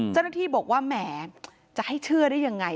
เจ้าหน้าที่บอกว่าแหมจะให้เชื่อได้ยังไง